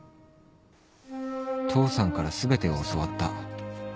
父さんから全てを教わった